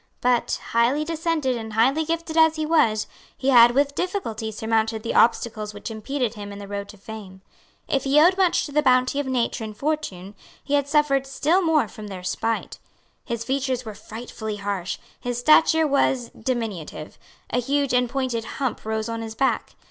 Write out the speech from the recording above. But, highly descended and highly gifted as he was, he had with difficulty surmounted the obstacles which impeded him in the road to fame. If he owed much to the bounty of nature and fortune, he had suffered still more from their spite. His features were frightfully harsh, his stature was diminutive; a huge and pointed hump rose on his back.